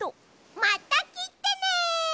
またきてね。